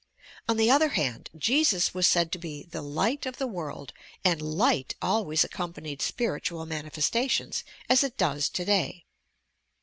On the other band, Jesus was said to he "The Light of the World" and light always accompanied spiritual mani festations — as it does today.